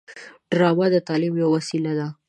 ډرامه د تعلیم یوه وسیله ده